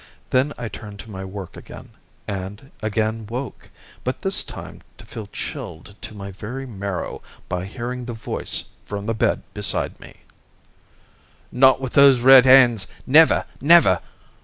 Then I turned to my work again, and again woke, but this time to feel chilled to my very marrow by hearing the voice from the bed beside me: "Not with those red hands! Never! never!"